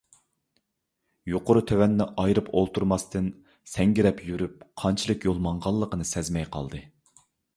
يۇقىرى - تۆۋەننى ئايرىپ ئولتۇرماستىن، سەڭگىرەپ يۈرۈپ، قانچىلىك يول ماڭغانلىقىنى سەزمەي قالدى.